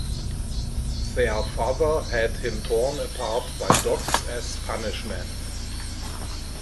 Their father had him torn apart by dogs as punishment.